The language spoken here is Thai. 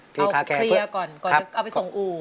ตรงครียอก่อนก่อนจะไปส่งอู